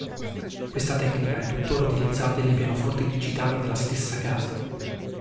Questa tecnica è tuttora utilizzata nei pianoforti digitali della stessa Casa.